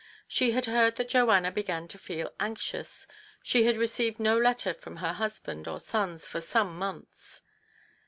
She had heard that Joanna began to feel anxious ; she had received no letter from husband or sons for some months.